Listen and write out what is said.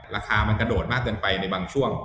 ราคามันกระโดดมากเกินไปในบางช่วง